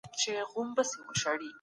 چاپ او خپرونه اسانه شوې وه.